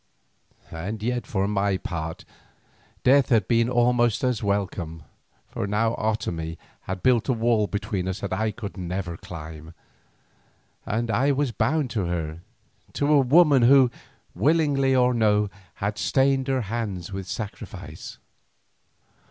And yet for my part death had been almost as welcome, for now Otomie had built a wall between us that I could never climb, and I was bound to her, to a woman who, willingly or no, had stained her hands with sacrifice.